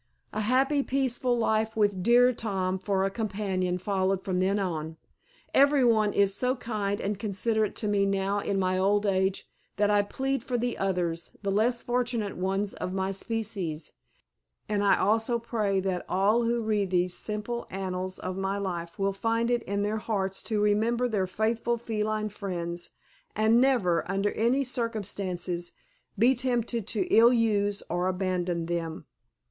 A happy, peaceful life with dear Tom for a companion followed from then on. Everyone is so kind and considerate to me now in my old age that I plead for the others, the less fortunate ones of my species and I also pray that all who read these simple annals of my life will find it in their hearts to remember their faithful feline friends and never under any circumstances be tempted to ill use or abandon them.